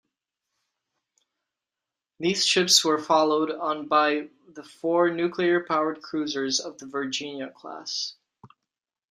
These ships were followed on by the four nuclear-powered cruisers of the "Virginia" class.